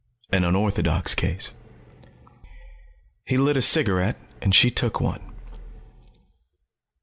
An unorthodox case." He lit a cigarette, and she took one.